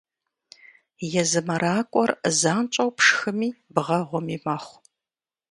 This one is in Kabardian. Езы мэракӏуэр занщӏэу пшхыми бгъэгъуми мэхъу.